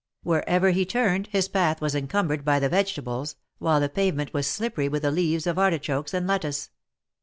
Wherever he turned, his path was encumbered by the vegetables, while the pavement was slippery with the leaves of artichokes and lettuce.